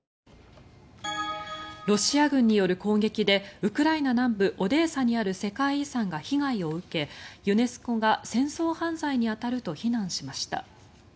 ロシア軍による攻撃でウクライナ南部オデーサにある世界遺産が被害を受けユネスコが、戦争犯罪に当たると非難しました。